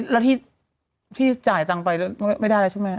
แล้วที่จ่ายจังไปไม่ได้ใช่ไหม